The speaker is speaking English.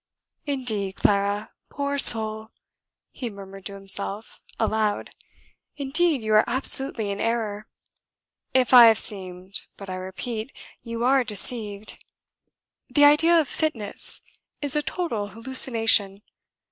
"Indeed, Clara poor soul!" he murmured to himself, aloud; "indeed you are absolutely in error. If I have seemed but I repeat, you are deceived. The idea of 'fitness' is a total hallucination.